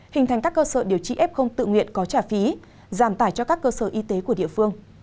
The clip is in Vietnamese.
hình thành các cơ sở điều trị f tự nguyện có trả phí giảm tải cho các cơ sở y tế của địa phương